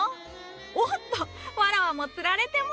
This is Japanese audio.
おっとわらわもつられてもうた！